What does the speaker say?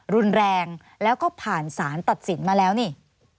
รุนแรงแล้วก็ผ่านสารตัดสินมาแล้วนี่